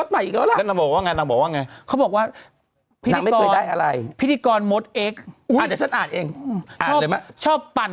สั่งตัวเล่าให้พิธีกรหมดเอ็คเข้าเลยมั้ย